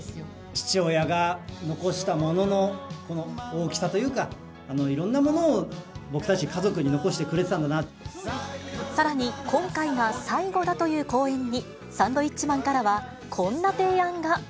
父親が残したものの大きさというか、いろんなものを僕たち、さらに、今回が最後だという公演に、サンドウィッチマンからは、こんな提案が。